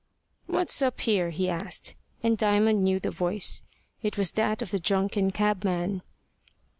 "What's up here?" he asked, and Diamond knew the voice. It was that of the drunken cabman.